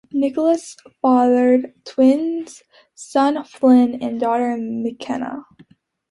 Nicholls fathered twins, son Flynn and daughter McKenna.